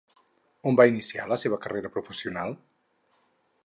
On va iniciar la seva carrera professional?